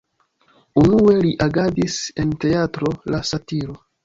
Unue li agadis en Teatro de satiro.